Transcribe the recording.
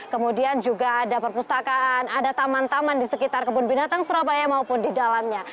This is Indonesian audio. kemudian juga ada perpustakaan ada taman taman di sekitar kebun binatang surabaya maupun di dalamnya